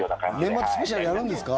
年末スペシャルやるんですか？